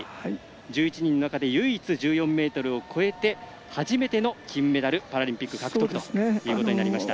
１１人の中で唯一１４ｍを超えて初めての金メダルパラリンピック獲得となりました。